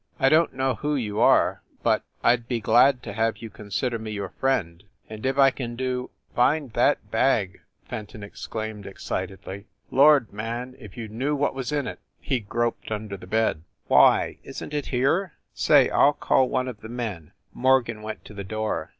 "I don t know who you are, but I d be glad to have you consider me your friend, and if I can do " "Find that bag!" Fenton exclaimed excitedly. "Lord, man, if you knew what was in it " He groped under the bed. WYCHERLEY COURT 237 "Why, isn t it here? Say, I ll call one of the men. * Morgan went to the door.